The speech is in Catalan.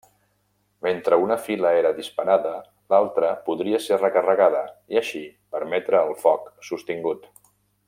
Mentre una fila era disparada, l'altra podria ser recarregada, i així permetre el foc sostingut.